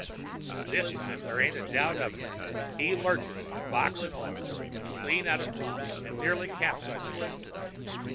This time there ain't a doubt of it. He lurches, box and all, clean out of plumb and nearly capsizes me.